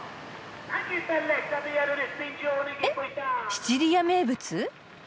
シチリア名物？